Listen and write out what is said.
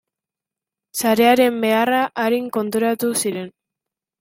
Sarearen beharra arin konturatu ziren.